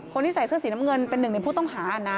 คนที่ใส่เสื้อสีน้ำเงินเป็นหนึ่งในผู้ต้องหานะ